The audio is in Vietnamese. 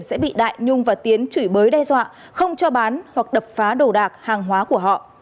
sẽ bị đại nhung và tiến chửi bới đe dọa không cho bán hoặc đập phá đồ đạc hàng hóa của họ